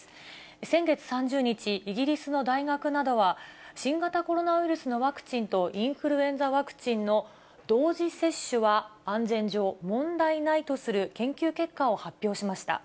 先月３０日、イギリスの大学などは、新型コロナウイルスのワクチンとインフルエンザワクチンの同時接種は安全上問題ないとする研究結果を発表しました。